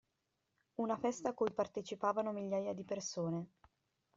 Una festa a cui partecipavano migliaia di persone.